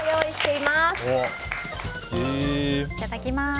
いただきます。